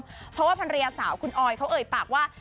เพราะว่าภรรยาสาวคุณออยเขาเอ่ยปากว่า